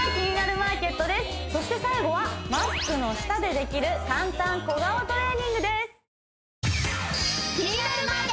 そして最後はマスクの下でできる簡単小顔トレーニングです